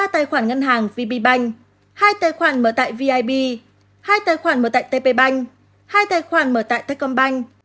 ba tài khoản ngân hàng vb banh hai tài khoản mở tại vib hai tài khoản mở tại tp banh hai tài khoản mở tại tết công banh